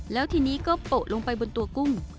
แล้วทีนี้ก็โปะลงไปบนตัวกุ้ง